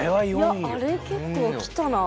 いやあれ結構きたな。